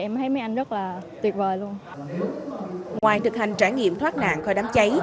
em thấy mấy anh rất là tuyệt vời luôn ngoài thực hành trải nghiệm thoát nạn khỏi đám cháy